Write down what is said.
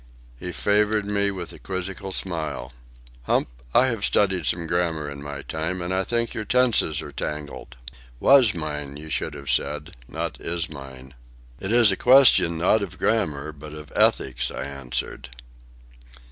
He favoured me with a quizzical smile. "Hump, I have studied some grammar in my time, and I think your tenses are tangled. 'Was mine,' you should have said, not 'is mine.'" "It is a question, not of grammar, but of ethics," I answered.